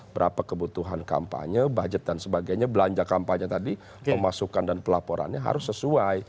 berapa kebutuhan kampanye budget dan sebagainya belanja kampanye tadi pemasukan dan pelaporannya harus sesuai